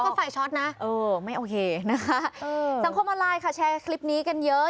เข้าก็ไฟล์ช็อตนะไม่โอเคนะคะสังคมลายค่ะแชร์คลิปนี้กันเยอะ